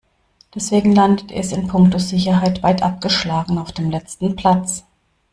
Deswegen landet es in puncto Sicherheit weit abgeschlagen auf dem letzten Platz.